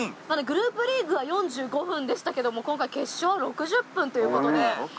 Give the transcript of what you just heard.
グループリーグは４５分でしたけども今回決勝は６０分ということで。